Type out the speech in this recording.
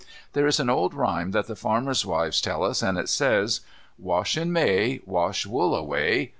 There is an old rhyme that the farmers' wives tell us, and it says: "Wash in May, Wash wool away.